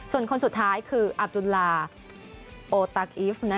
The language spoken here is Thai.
ส่วนคนสุดท้ายคืออับดุลลาโอตั๊กอีฟ